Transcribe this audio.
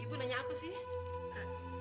ibu nanya apa sih